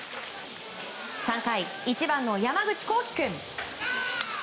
３回、１番の山口滉起君。